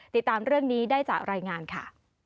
ติดตามเรื่องนี้ได้จากรายงานค่ะ